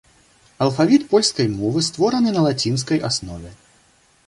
Алфавіт польскай мовы створаны на лацінскай аснове.